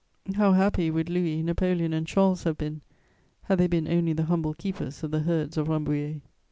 How happy would Louis, Napoleon and Charles have been, had they been only the humble keepers of the herds of Rambouillet!